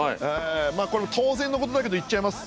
これも当然のことだけど言っちゃいます。